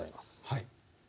はい。